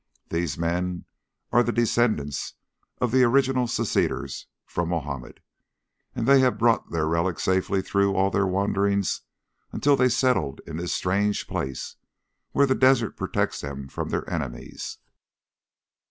These men are the descendants of the original seceders from Mahomet, and they have brought their relic safely through all their wanderings until they settled in this strange place, where the desert protects them from their enemies."